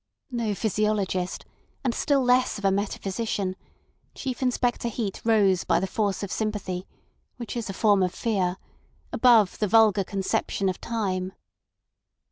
No physiologist, and still less of a metaphysician, Chief Inspector Heat rose by the force of sympathy, which is a form of fear, above the vulgar conception of time.